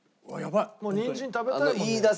もうにんじん食べたいもんね。